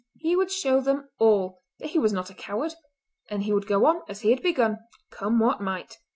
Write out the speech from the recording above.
He would show them all that he was not a coward, and he would go on as he had begun—come what might.